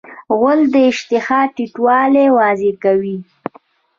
غول د اشتها ټیټوالی واضح کوي.